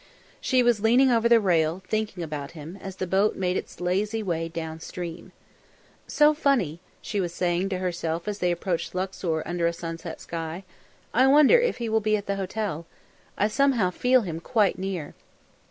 She was leaning over the rail, thinking about him, as the boat made its lazy way down stream. "So funny," she was saying to herself as they approached Luxor under a sunset sky. "I wonder if he will be at the hotel. I somehow feel him quite near."